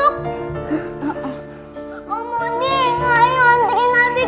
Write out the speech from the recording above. om udi ayo nantri nantri ke rumah sakit